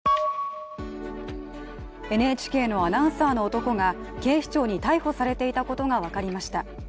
ＮＨＫのアナウンサーの男が警視庁に逮捕されていたことが分かりました。